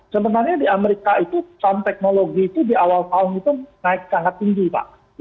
sebenarnya di amerika itu saham teknologi itu di awal tahun itu naik sangat tinggi pak